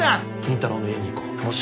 倫太郎の家に行こう。